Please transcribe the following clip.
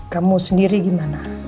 kamu sendiri gimana